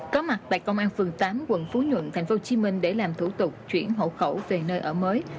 có mặt tại công an phường tám quận phú nhuận tp hcm để làm thủ tục chuyển hộ khẩu về nơi ở mới